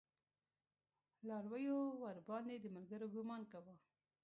لارويو ورباندې د ملګرو ګمان کوه.